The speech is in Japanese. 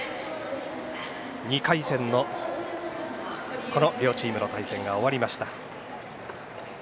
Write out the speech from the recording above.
２回戦の、この両チームの対戦が終わりました。